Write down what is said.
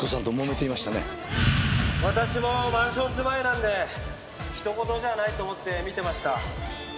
私もマンション住まいなんでひとごとじゃないと思って見てました。